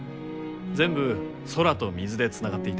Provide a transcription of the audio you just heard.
全部空と水でつながっていて。